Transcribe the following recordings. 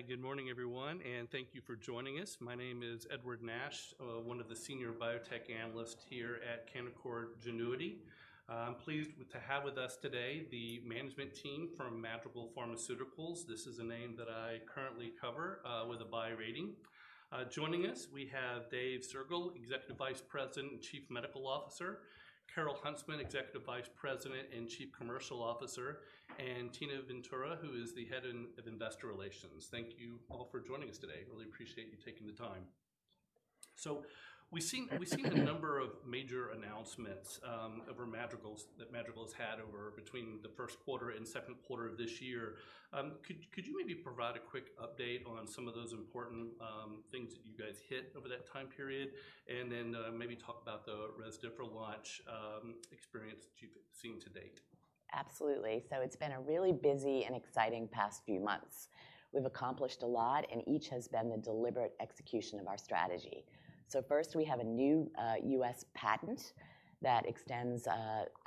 Hi, good morning everyone, and thank you for joining us. My name is Edward Nash, one of the Senior Biotech Analysts here at Canaccord Genuity. I'm pleased to have with us today the management team from Madrigal Pharmaceuticals. This is a name that I currently cover with a buy rating. Joining us, we have Dave Soergel, Executive Vice President and Chief Medical Officer, Carole Huntsman, Executive Vice President and Chief Commercial Officer, and Tina Ventura, who is the Head of Investor Relations. Thank you all for joining us today. I really appreciate you taking the time. We've seen a number of major announcements that Madrigal has had between the first quarter and second quarter of this year. Could you maybe provide a quick update on some of those important things that you guys hit over that time period? Then maybe talk about the Rezdiffra launch experience that you've seen to date. Absolutely. It's been a really busy and exciting past few months. We've accomplished a lot, and each has been the deliberate execution of our strategy. First, we have a new U.S. patent that extends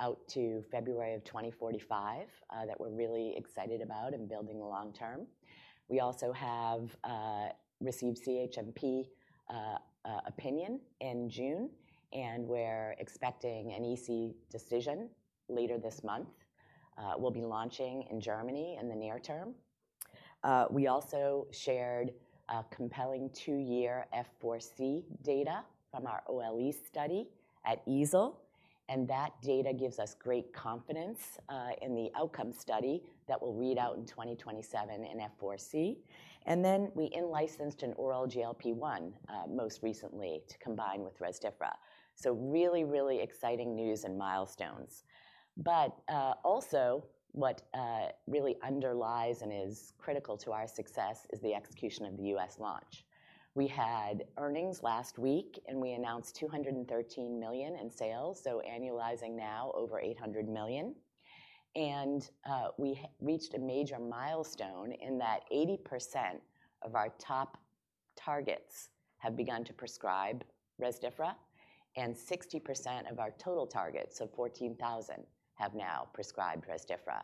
out to February 2045 that we're really excited about and building long-term. We also have received CHMP opinion in June, and we're expecting an EC decision later this month. We'll be launching in Germany in the near term. We also shared compelling 2-year F4c data from our OLE study at EASL, and that data gives us great confidence in the outcome study that we'll read out in 2027 in F4c. We in-licensed an GLP-1 most recently to combine with Rezdiffra. Really, really exciting news and milestones. What really underlies and is critical to our success is the execution of the U.S. launch. We had earnings last week, and we announced $213 million in sales, so annualizing now over $800 million. We reached a major milestone in that 80% of our top targets have begun to prescribe Rezdiffra, and 60% of our total targets, so 14,000, have now prescribed Rezdiffra.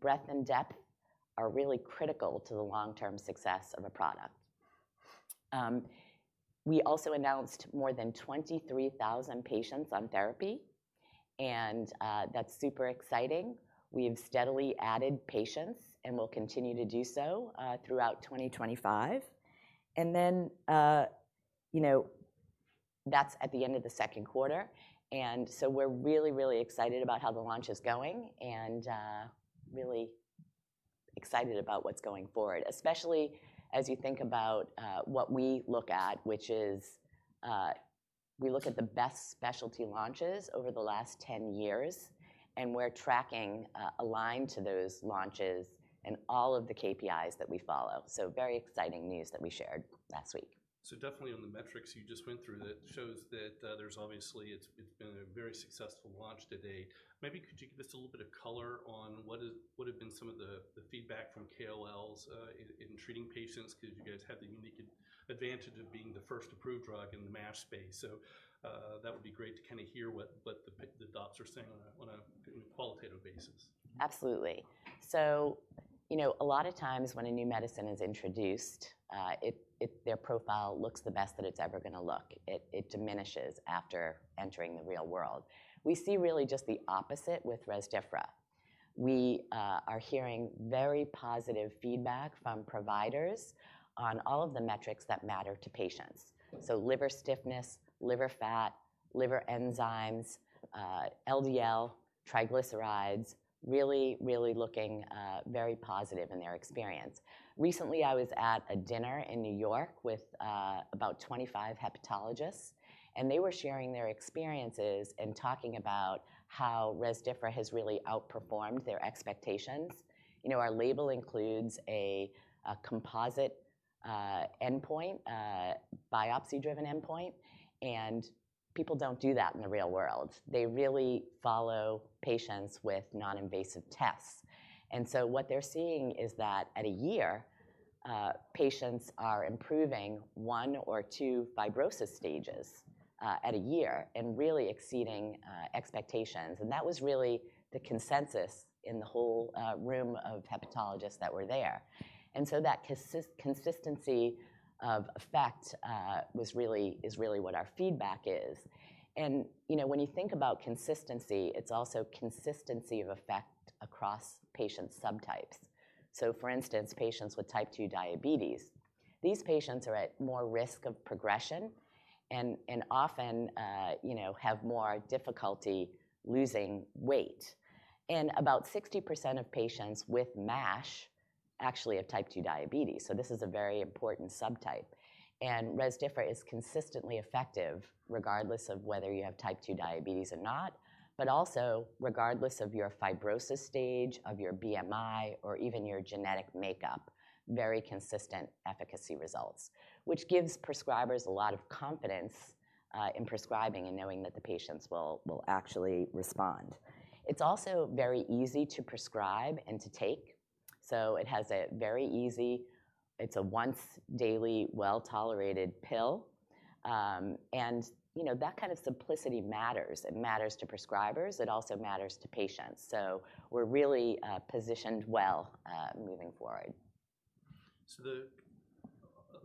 Breadth and depth are really critical to the long-term success of a product. We also announced more than 23,000 patients on therapy, and that's super exciting. We have steadily added patients and will continue to do so throughout 2025. That's at the end of the second quarter, and we're really, really excited about how the launch is going and really excited about what's going forward, especially as you think about what we look at, which is we look at the best specialty launches over the last 10 years, and we're tracking aligned to those launches and all of the KPIs that we follow. Very exciting news that we shared last week. On the metrics you just went through, that shows that there's obviously, it's been a very successful launch to date. Maybe could you give us a little bit of color on what have been some of the feedback from key opinion leaders in treating patients? You guys have the unique advantage of being the first approved drug in the MASH space. That would be great to kind of hear what the docs are saying on a qualitative basis. Absolutely. You know, a lot of times when a new medicine is introduced, their profile looks the best that it's ever going to look. It diminishes after entering the real world. We see really just the opposite with Rezdiffra. We are hearing very positive feedback from providers on all of the metrics that matter to patients: liver stiffness, liver fat, liver enzymes, LDL, triglycerides, really, really looking very positive in their experience. Recently, I was at a dinner in New York with about 25 hepatologists, and they were sharing their experiences and talking about how Rezdiffra has really outperformed their expectations. Our label includes a composite endpoint, a biopsy-driven endpoint, and people don't do that in the real world. They really follow patients with non-invasive tests. What they're seeing is that at a year, patients are improving one or two fibrosis stages at a year and really exceeding expectations. That was really the consensus in the whole room of hepatologists that were there. That consistency of effect is really what our feedback is. When you think about consistency, it's also consistency of effect across patient subtypes. For instance, patients with type 2 diabetes, these patients are at more risk of progression and often have more difficulty losing weight. About 60% of patients with MASH actually have type 2 diabetes. This is a very important subtype. Rezdiffra is consistently effective regardless of whether you have type 2 diabetes or not, but also regardless of your fibrosis stage, of your BMI, or even your genetic makeup, very consistent efficacy results, which gives prescribers a lot of confidence in prescribing and knowing that the patients will actually respond. It's also very easy to prescribe and to take. It has a very easy, it's a once-daily well-tolerated pill. That kind of simplicity matters. It matters to prescribers. It also matters to patients. We're really positioned well moving forward.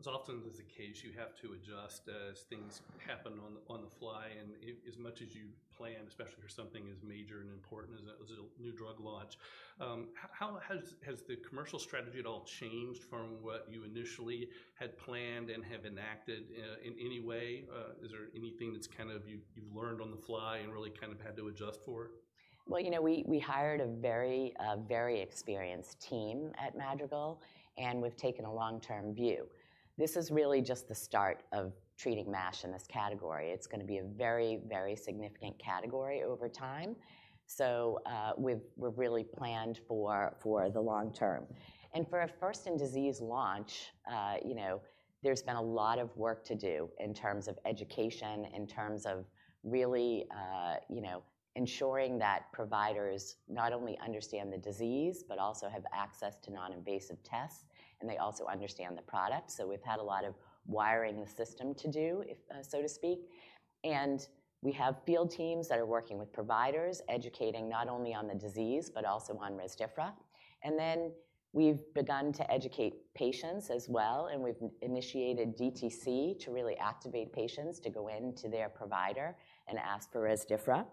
Often it's the case you have to adjust as things happen on the fly. As much as you plan, especially if something is major and important as a new drug launch, how has the commercial strategy at all changed from what you initially had planned and have enacted in any way? Is there anything that you've learned on the fly and really had to adjust for? You know, we hired a very, very experienced team at Madrigal, and we've taken a long-term view. This is really just the start of treating MASH in this category. It's going to be a very, very significant category over time. We've really planned for the long term. For a first-in-disease launch, there's been a lot of work to do in terms of education, in terms of really ensuring that providers not only understand the disease but also have access to non-invasive tests, and they also understand the product. We've had a lot of wiring the system to do, so to speak. We have field teams that are working with providers, educating not only on the disease but also on Rezdiffra. We've begun to educate patients as well, and we've initiated DTC to really activate patients to go into their provider and ask for Rezdiffra.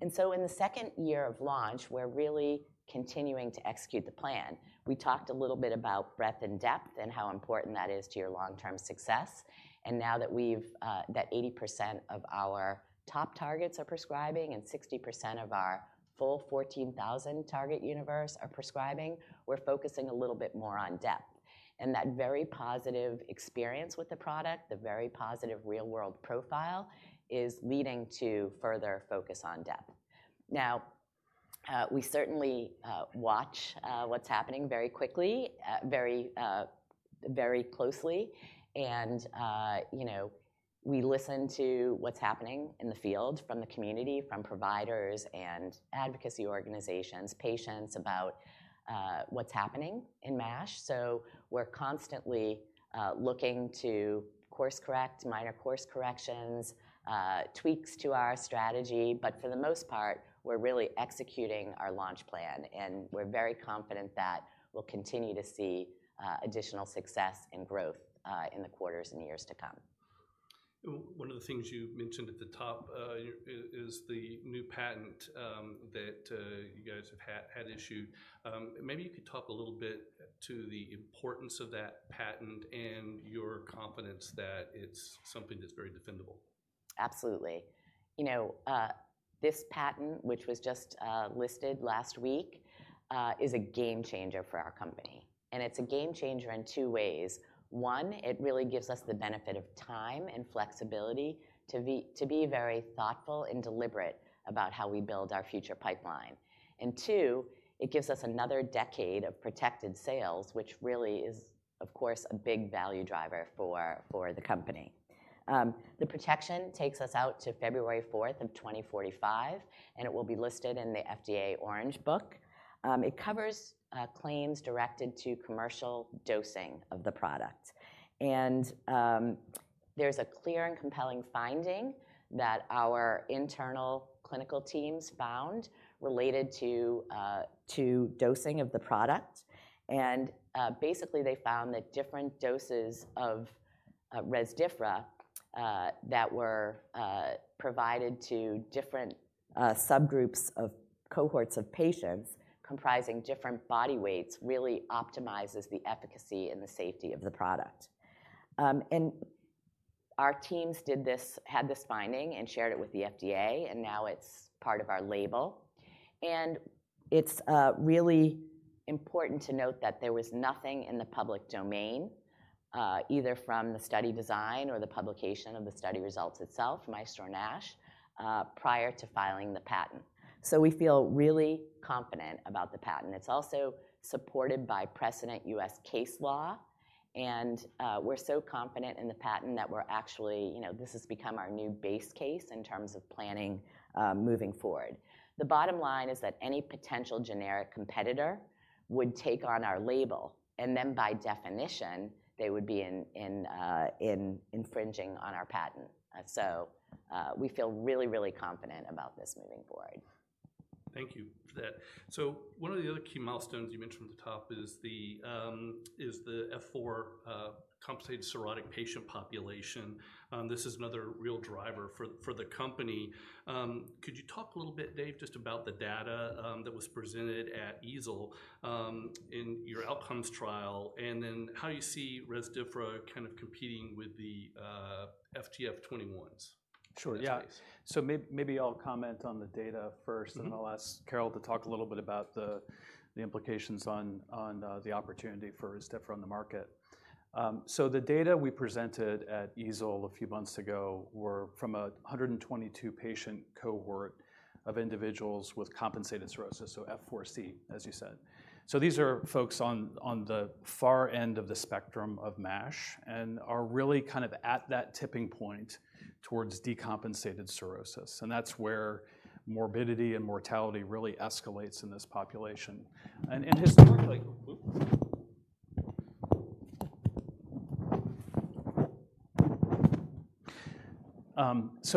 In the second year of launch, we're really continuing to execute the plan. We talked a little bit about breadth and depth and how important that is to your long-term success. Now that 80% of our top targets are prescribing and 60% of our full 14,000 target universe are prescribing, we're focusing a little bit more on depth. That very positive experience with the product, the very positive real-world profile, is leading to further focus on depth. We certainly watch what's happening very quickly, very closely, and we listen to what's happening in the field from the community, from providers and advocacy organizations, patients about what's happening in MASH. We're constantly looking to course-correct, minor course-corrections, tweaks to our strategy. For the most part, we're really executing our launch plan, and we're very confident that we'll continue to see additional success and growth in the quarters and years to come. One of the things you mentioned at the top is the new patent that you guys have had issued. Maybe you could talk a little bit to the importance of that patent and your confidence that it's something that's very defendable. Absolutely. You know, this patent, which was just listed last week, is a game changer for our company. It's a game changer in two ways. One, it really gives us the benefit of time and flexibility to be very thoughtful and deliberate about how we build our future pipeline. Two, it gives us another decade of protected sales, which really is, of course, a big value driver for the company. The protection takes us out to February 4th, 2045, and it will be listed in the FDA Orange Book. It covers claims directed to commercial dosing of the product. There's a clear and compelling finding that our internal clinical teams found related to dosing of the product. Basically, they found that different doses of Rezdiffra that were provided to different subgroups of cohorts of patients comprising different body weights really optimizes the efficacy and the safety of the product. Our teams had this finding and shared it with the FDA, and now it's part of our label. It's really important to note that there was nothing in the public domain, either from the study design or the publication of the study results itself, MAESTRO-NASH, prior to filing the patent. We feel really confident about the patent. It's also supported by precedent U.S. case law, and we're so confident in the patent that we're actually, you know, this has become our new base case in terms of planning moving forward. The bottom line is that any potential generic competitor would take on our label, and then by definition, they would be infringing on our patent. We feel really, really confident about this moving forward. Thank you for that. One of the other key milestones you mentioned from the top is the F4 compensated cirrhotic patient population. This is another real driver for the company. Could you talk a little bit, Dave, just about the data that was presented at EASL in your outcomes trial, and then how you see Rezdiffra kind of competing with the FGF21s? Sure. Maybe I'll comment on the data first, and I'll ask Carole to talk a little bit about the implications on the opportunity for Rezdiffra on the market. The data we presented at EASL a few months ago were from a 122-patient cohort of individuals with compensated cirrhosis, so F4c, as you said. These are folks on the far end of the spectrum of MASH and are really kind of at that tipping point towards decompensated cirrhosis. That's where morbidity and mortality really escalate in this population.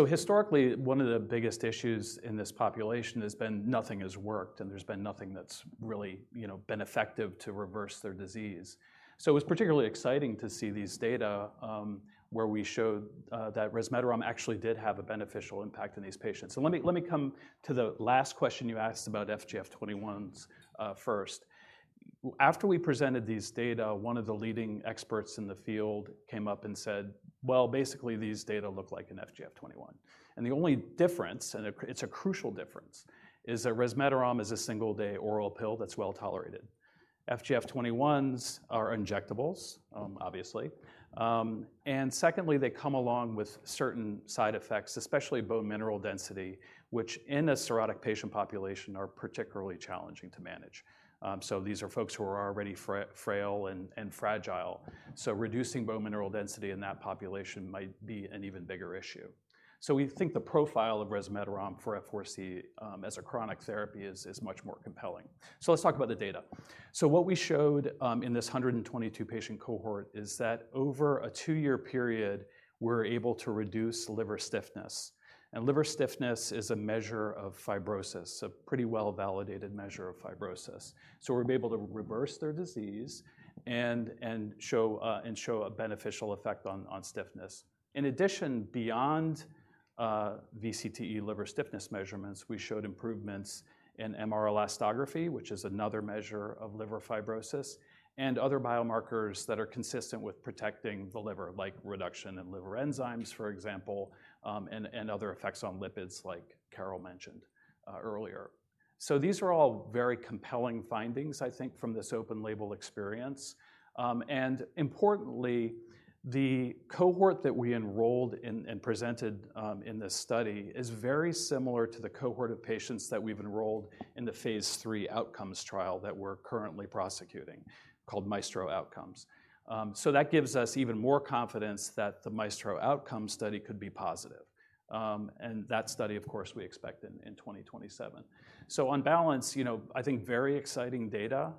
Historically, one of the biggest issues in this population has been nothing has worked, and there's been nothing that's really, you know, been effective to reverse their disease. It was particularly exciting to see these data where we showed that Rezdiffra actually did have a beneficial impact in these patients. Let me come to the last question you asked about FGF21s first. After we presented these data, one of the leading experts in the field came up and said, basically, these data look like an FGF21. The only difference, and it's a crucial difference, is that Rezdiffra is a single-day oral pill that's well-tolerated. FGF21s are injectables, obviously. Secondly, they come along with certain side effects, especially bone mineral density, which in a cirrhotic patient population are particularly challenging to manage. These are folks who are already frail and fragile. Reducing bone mineral density in that population might be an even bigger issue. We think the profile of Rezdiffra for F4c as a chronic therapy is much more compelling. Let's talk about the data. What we showed in this 122-patient cohort is that over a 2-year period, we're able to reduce liver stiffness. Liver stiffness is a measure of fibrosis, a pretty well-validated measure of fibrosis. We're able to reverse their disease and show a beneficial effect on stiffness. In addition, beyond VCTE liver stiffness measurements, we showed improvements in MR Elastography, which is another measure of liver fibrosis, and other biomarkers that are consistent with protecting the liver, like reduction in liver enzymes, for example, and other effects on lipids like Carole mentioned earlier. These are all very compelling findings, I think, from this open-label experience. Importantly, the cohort that we enrolled in and presented in this study is very similar to the cohort of patients that we've enrolled in the phase III outcomes trial that we're currently prosecuting, called MAESTRO Outcomes. That gives us even more confidence that the MAESTRO Outcomes study could be positive. That study, of course, we expect in 2027. On balance, I think very exciting data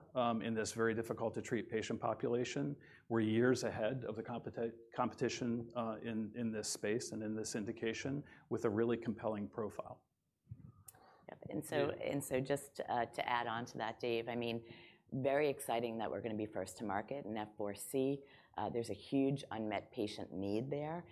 in this very difficult-to-treat patient population. We're years ahead of the competition in this space and in this indication with a really compelling profile. Just to add on to that, Dave, I mean, very exciting that we're going to be first to market in F4c. There's a huge unmet patient need there.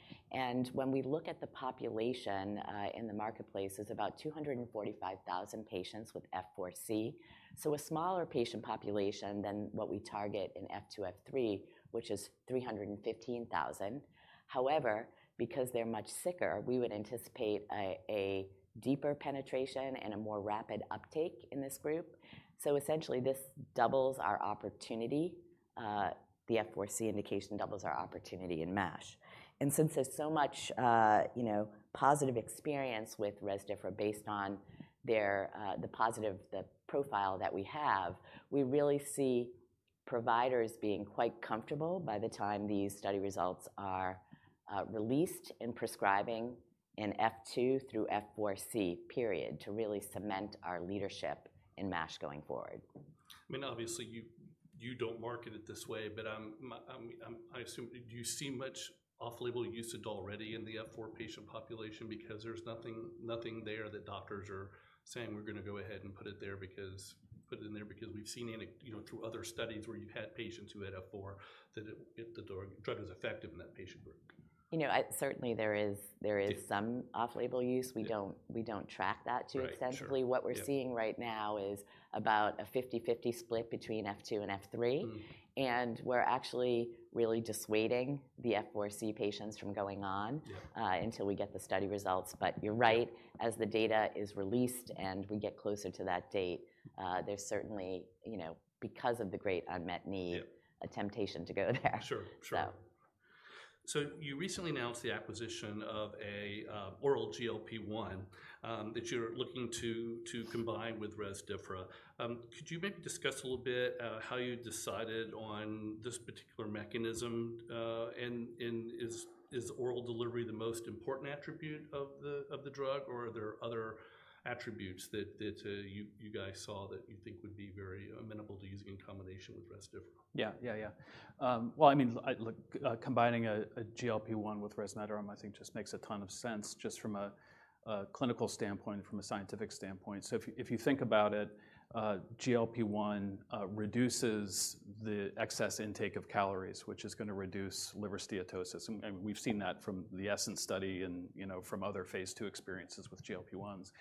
When we look at the population in the marketplace, it's about 245,000 patients with F4c, so a smaller patient population than what we target in F2, F3, which is 315,000. However, because they're much sicker, we would anticipate a deeper penetration and a more rapid uptake in this group. Essentially, this doubles our opportunity. The F4c indication doubles our opportunity in MASH. Since there's so much positive experience with Rezdiffra based on the positive profile that we have, we really see providers being quite comfortable by the time these study results are released in prescribing in F2 through F4c, period, to really cement our leadership in MASH going forward. Obviously, you don't market it this way, but I assume you see much off-label usage already in the F4 patient population because there's nothing there that doctors are saying, we're going to go ahead and put it there because we've seen it through other studies where you've had patients who had F4 that the drug is effective in that patient group. You know, certainly, there is some off-label use. We don't track that too extensively. What we're seeing right now is about a 50/50 split between F2 and F3. We're actually really dissuading the F4c patients from going on until we get the study results. You're right, as the data is released and we get closer to that date, there's certainly, you know, because of the great unmet need, a temptation to go there. Sure. You recently announced the acquisition of an oral GLP-1 that you're looking to combine with Rezdiffra. Could you maybe discuss a little bit how you decided on this particular mechanism? Is oral delivery the most important attribute of the drug, or are there other attributes that you saw that you think would be very amenable to using in combination with Rezdiffra? Combining a GLP-1 with Rezdiffra, I think, just makes a ton of sense from a clinical standpoint and from a scientific standpoint. If you think about GLP-1 reduces the excess intake of calories, which is going to reduce liver steatosis. We've seen that from the ESSENCE study and from other phase II experiences with GLP-1s.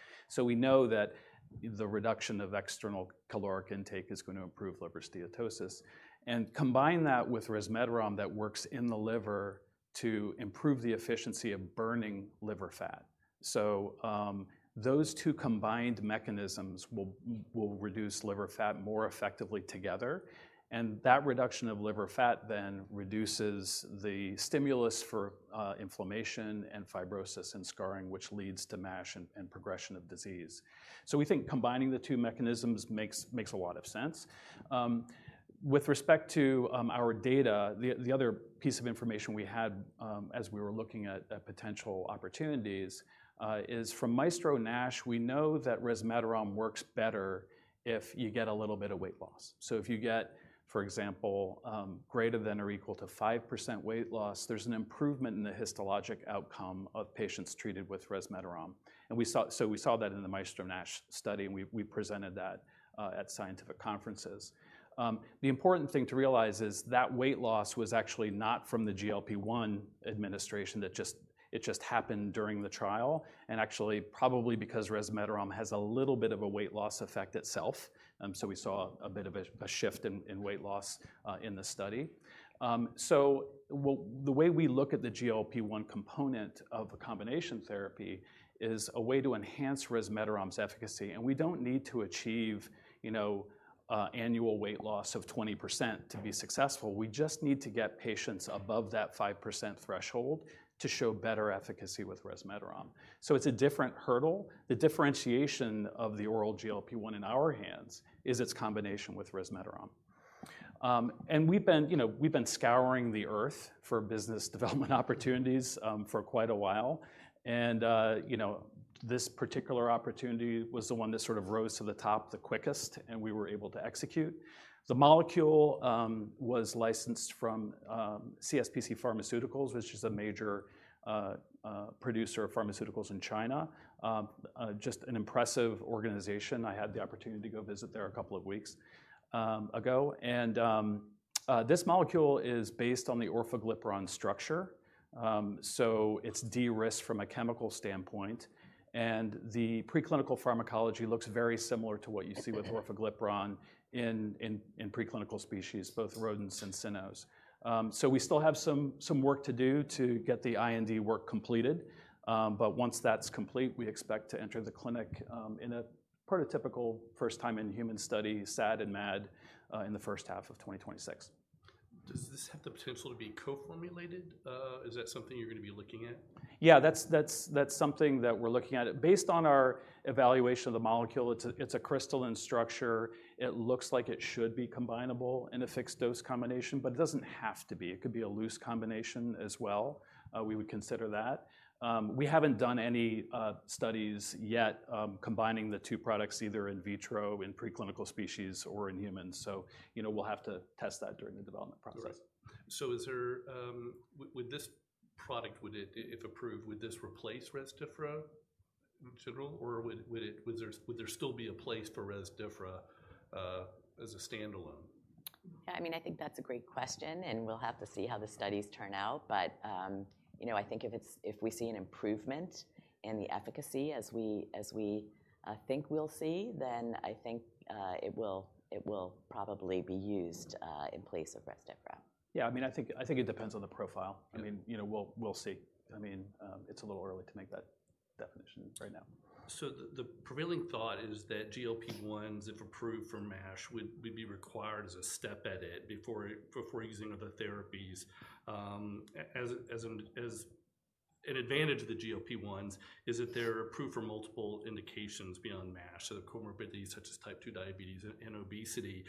We know that the reduction of external caloric intake is going to improve liver steatosis. Combine that with Rezdiffra, which works in the liver to improve the efficiency of burning liver fat. Those two combined mechanisms will reduce liver fat more effectively together. That reduction of liver fat then reduces the stimulus for inflammation and fibrosis and scarring, which leads to MASH and progression of disease. We think combining the two mechanisms makes a lot of sense. With respect to our data, the other piece of information we had as we were looking at potential opportunities is from the MAESTRO-NASH study. We know that Rezdiffra works better if you get a little bit of weight loss. If you get, for example, greater than or equal to 5% weight loss, there's an improvement in the histologic outcome of patients treated with Rezdiffra. We saw that in the MAESTRO-NASH study, and we presented that at scientific conferences. The important thing to realize is that weight loss was actually not from GLP-1 administration. It just happened during the trial and actually probably because Rezdiffra has a little bit of a weight loss effect itself. We saw a bit of a shift in weight loss in the study. The way we look at GLP-1 component of a combination therapy is a way to enhance Rezdiffra's efficacy. We don't need to achieve annual weight loss of 20% to be successful. We just need to get patients above that 5% threshold to show better efficacy with Rezdiffra. It's a different hurdle. The differentiation of the oral GLP-1 in our hands is its combination with Rezdiffra. We've been scouring the earth for business development opportunities for quite a while. This particular opportunity was the one that sort of rose to the top the quickest, and we were able to execute. The molecule was licensed from CSPC Pharmaceuticals, which is a major producer of pharmaceuticals in China, just an impressive organization. I had the opportunity to go visit there a couple of weeks ago. This molecule is based on the Orforglipron structure. It is de-risked from a chemical standpoint, and the preclinical pharmacology looks very similar to what you see with Orforglipron in preclinical species, both rodents and cynos. We still have some work to do to get the IND work completed. Once that's complete, we expect to enter the clinic in a prototypical first time in human study, SAD and MAD, in the first half of 2026. Does this have the potential to be co-formulated? Is that something you're going to be looking at? Yeah, that's something that we're looking at. Based on our evaluation of the molecule, it's a crystalline structure. It looks like it should be combinable in a fixed dose combination, but it doesn't have to be. It could be a loose combination as well. We would consider that. We haven't done any studies yet combining the two products either in vitro in preclinical species or in humans. We'll have to test that during the development process. Would this product, if approved, replace Rezdiffra in general, or would there still be a place for Rezdiffra as a standalone? Yeah, I mean, I think that's a great question, and we'll have to see how the studies turn out. You know, I think if we see an improvement in the efficacy, as we think we'll see, then I think it will probably be used in place of Rezdiffra. I think it depends on the profile. We'll see. It's a little early to make that definition right now. The prevailing thought is that GLP-1s, if approved for MASH, would be required as a step edit before using other therapies. An advantage of the GLP-1s is that they're approved for multiple indications beyond MASH, so the comorbidities such as type 2 diabetes and obesity.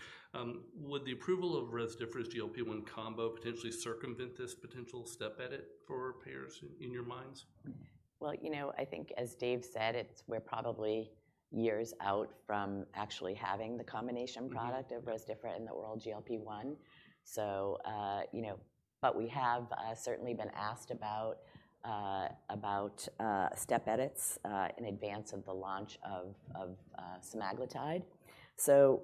Would the approval of Rezdiffra's GLP-1 combo potentially circumvent this potential step edit for payers in your minds? I think, as Dave said, we're probably years out from actually having the combination product of Rezdiffra and the oral GLP-1. We have certainly been asked about step edits in advance of the launch of Semaglutide. I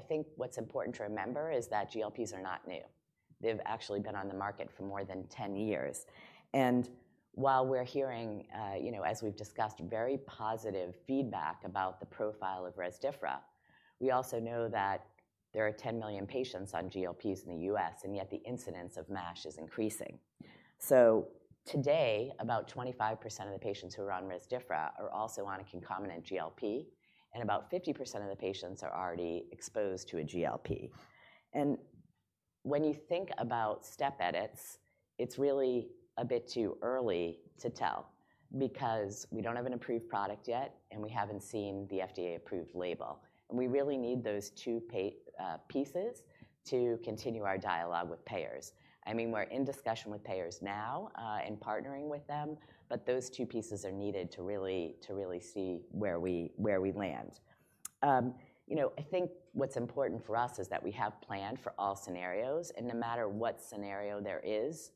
think what's important to remember is that GLPs are not new. They've actually been on the market for more than 10 years. While we're hearing, as we've discussed, very positive feedback about the profile of Rezdiffra, we also know that there are 10 million patients on GLPs in the U.S., and yet the incidence of MASH is increasing. Today, about 25% of the patients who are on Rezdiffra are also on a concomitant GLP, and about 50% of the patients are already exposed to a GLP. When you think about step edits, it's really a bit too early to tell because we don't have an approved product yet, and we haven't seen the FDA-approved label. We really need those two pieces to continue our dialogue with payers. I mean, we're in discussion with payers now and partnering with them, but those two pieces are needed to really see where we land. I think what's important for us is that we have planned for all scenarios, and no matter what scenario there is,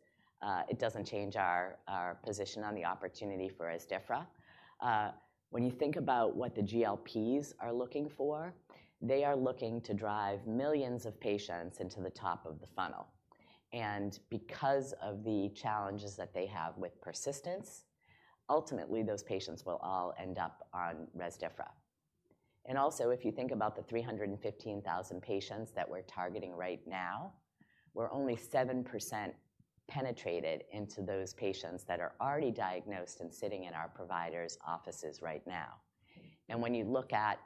it doesn't change our position on the opportunity for Rezdiffra. When you think about what the GLPs are looking for, they are looking to drive millions of patients into the top of the funnel. Because of the challenges that they have with persistence, ultimately, those patients will all end up on Rezdiffra. Also, if you think about the 315,000 patients that we're targeting right now, we're only 7% penetrated into those patients that are already diagnosed and sitting in our provider's offices right now. When you look at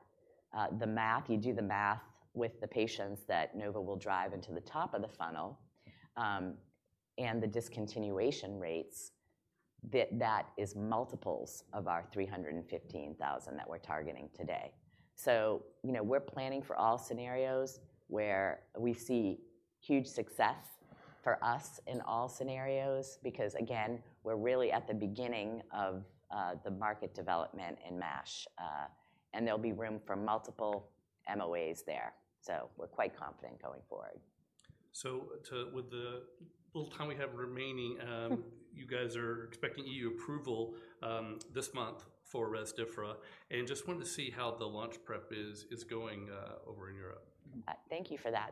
the math, you do the math with the patients that Novo will drive into the top of the funnel, and the discontinuation rates, that is multiples of our 315,000 that we're targeting today. We're planning for all scenarios where we see huge success for us in all scenarios because, again, we're really at the beginning of the market development in MASH. There will be room for multiple [MOAs ]there. We're quite confident going forward. With the little time we have remaining, you guys are expecting EU approval this month for Rezdiffra and just wanted to see how the launch prep is going over in Europe. Thank you for that.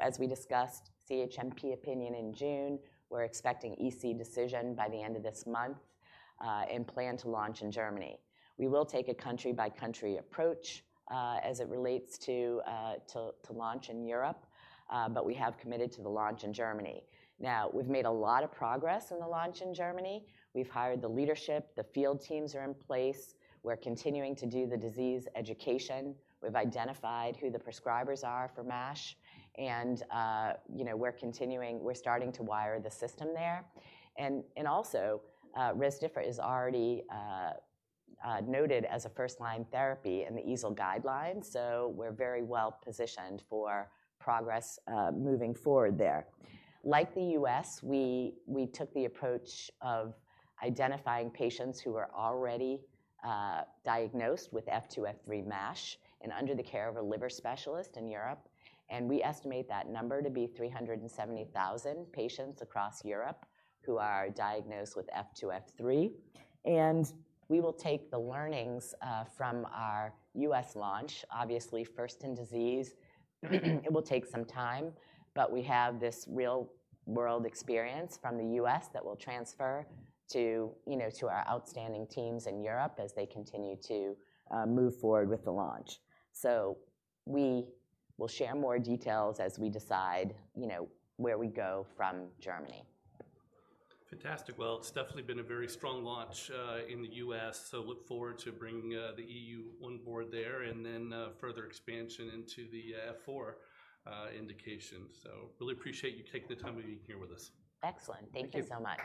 As we discussed, CHMP opinion in June, we're expecting EC decision by the end of this month and plan to launch in Germany. We will take a country-by-country approach as it relates to launch in Europe, but we have committed to the launch in Germany. We've made a lot of progress in the launch in Germany. We've hired the leadership. The field teams are in place. We're continuing to do the disease education. We've identified who the prescribers are for MASH. We're continuing, we're starting to wire the system there. Also, Rezdiffra is already noted as a first-line therapy in the EASL guidelines. We're very well positioned for progress moving forward there. Like the U.S., we took the approach of identifying patients who were already diagnosed with F2, F3 MASH and under the care of a liver specialist in Europe. We estimate that number to be 370,000 patients across Europe who are diagnosed with F2, F3. We will take the learnings from our U.S. launch. Obviously, first in disease, it will take some time, but we have this real-world experience from the U.S. that will transfer to our outstanding teams in Europe as they continue to move forward with the launch. We will share more details as we decide where we go from Germany. Fantastic. It has definitely been a very strong launch in the U.S. I look forward to bringing the EU on board there and then further expansion into the F4 indication. I really appreciate you taking the time to be here with us. Excellent. Thank you so much.